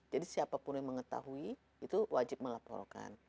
jadi siapapun yang mengetahui itu wajib melaporkan